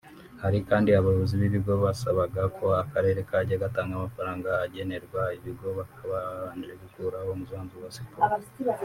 Hari kandi abayobozi b’ibigo basabaga ko akarere kajya gatanga amafaranga agenerwa ibigo kabanje gukuraho umusanzu wa siporo